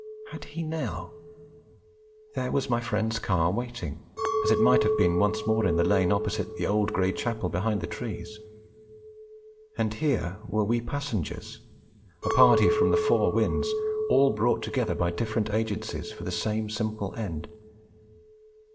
Had he now? ... There was my friend's car waiting, as it might have been once more in the lane opposite 'the old grey Chapel behind the trees.' ... And here were we passengers, a party from the four winds, all brought together by different agencies for the same simple end.